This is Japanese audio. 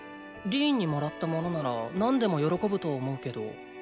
リーンに貰ったものなら何でも喜ぶと思うけど。